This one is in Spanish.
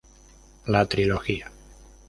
La trilogía